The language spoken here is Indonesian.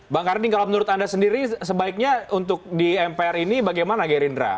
bang karding kalau menurut anda sendiri sebaiknya untuk di mpr ini bagaimana gerindra